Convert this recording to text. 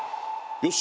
よし！